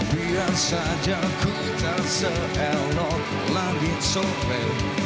biar saja ku tak selalu melangit sope